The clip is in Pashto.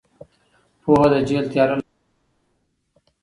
پوهه د جهل تیاره له منځه وړي.